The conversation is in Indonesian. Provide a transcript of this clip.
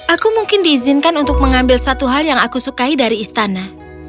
aku mungkin diizinkan untuk mengambil satu hal yang aku sukai dari istana